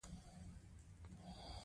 پنېر له خندا سره خوړل کېږي.